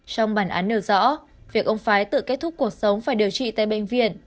trong bản án nửa rõ việc ông phái tự kết thúc cuộc sống phải điều trị tại bệnh viện